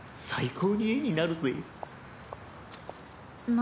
何？